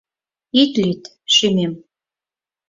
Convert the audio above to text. Ит лӱд, шӱмем.